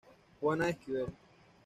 Juana de Esquivel.